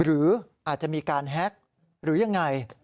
หรืออาจจะมีการแฮ็กหรือยังไง